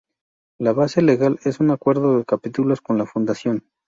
La base legal es un "Acuerdo de Capítulos" con la fundación.